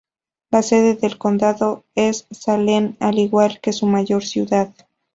La sede del condado es Salem, al igual que su mayor ciudad.